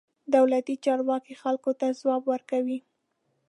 دولتي چارواکي خلکو ته ځواب ورکوي.